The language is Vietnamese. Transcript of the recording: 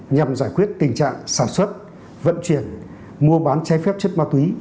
nhằm giải quyết tình trạng sản xuất vận chuyển mua bán trái phép chất ma túy